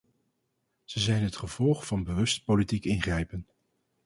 Ze zijn het gevolg van bewust politiek ingrijpen.